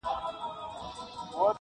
• بس دعوه یې بې له شرطه و ګټله,